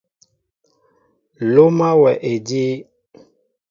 Loma wɛ a ediw.